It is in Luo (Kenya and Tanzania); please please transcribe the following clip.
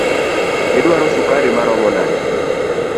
Iduaro sukari maromo nade?